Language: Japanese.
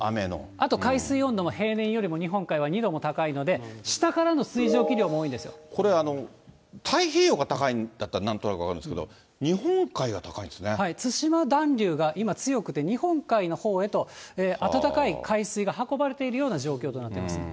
あと海水温度が、平年よりも日本海は２度も高いので、これ、太平洋が高いんだったらなんとなく分かるんですけど、日本海が高対馬暖流が今、強くて、日本海のほうへと温かい海水が運ばれているような状況となっています。